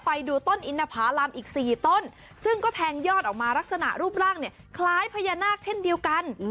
ไปดูต้นอินทภารำอีก๔ต้นซึ่งก็แทงยอดออกมาลักษณะรูปร่างเนี่ยคล้ายพญานาคเช่นเดียวกัน